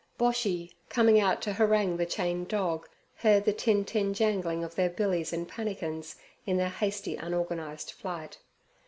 Boshy, coming out to harangue the chained dog, heard the tintin jangling of their billies and pannikins in their hasty, unorganized flight.